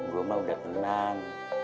gue ma udah tenang